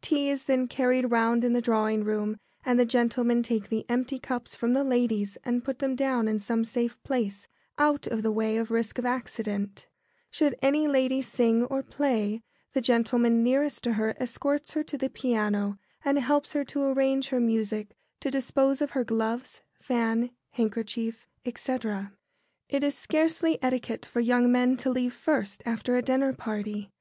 Tea is then carried round in the drawing room, and the gentlemen take the empty cups from the ladies and put them down in some safe place, out of the way of risk of accident. [Sidenote: When a lady sings or plays.] Should any lady sing or play, the gentleman nearest to her escorts her to the piano and helps her to arrange her music, to dispose of her gloves, fan, handkerchief, &c. [Sidenote: Leaving early.] It is scarcely etiquette for young men to leave first after a dinner party.